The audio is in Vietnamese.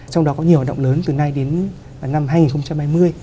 trong đó có nhiều hoạt động lớn từ nay đến năm hai nghìn hai mươi